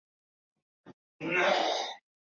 一个电话将他从查处名单上撤除。